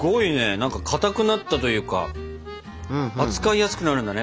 何かかたくなったというか扱いやすくなるんだね